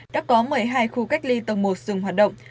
đã có một mươi hai khu cách ly tầng một dừng hoạt động